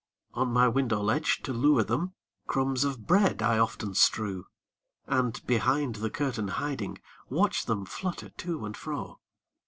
On my window ledge, to lure them, Crumbs of bread I often strew, And, behind the curtain hiding, Watch them flutter to and fro.